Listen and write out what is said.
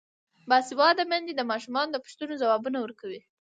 باسواده میندې د ماشومانو د پوښتنو ځوابونه ورکوي.